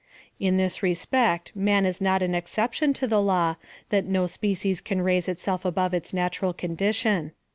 In this respect man is not an exception to the law, that no species can raise itself above its natural condition.